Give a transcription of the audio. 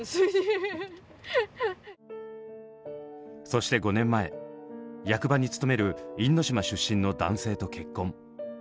そして５年前役場に勤める因島出身の男性と結婚。